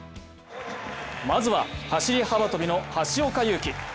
まずは走幅跳の橋岡優輝。